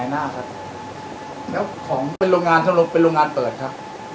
อ๋อแล้วอันนั้นคือใจจะก๊อบเข้ามาครับเพื่อขายละเอาไปน้ายหน้าครับ